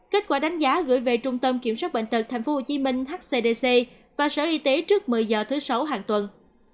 kết quả đánh giá gửi về trung tâm kiểm soát bệnh tật tp hcm hcdc và sở y tế trước một mươi h thứ sáu hàng tuần